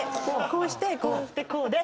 こうしてこうしてこうで。